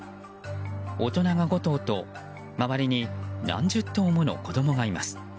大人が５頭と周りに何十頭もの子供がいます。